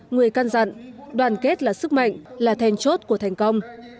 người can dặn đoàn kết là sức mạnh là thèn chốt của thành công